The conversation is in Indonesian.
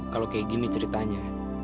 kalau kayak gini ceritanya